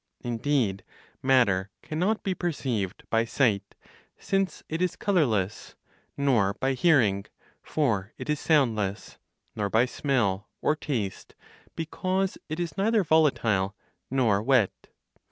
Indeed, matter cannot be perceived by sight, since it is colorless; nor by hearing, for it is soundless; nor by smell or taste, because it is neither volatile nor wet.